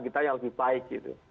kita yang lebih baik